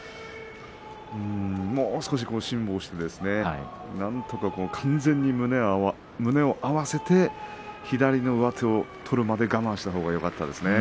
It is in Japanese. もう少し、辛抱してなんとか完全に胸を合わせて左の上手を取るまで我慢したほうがよかったですね。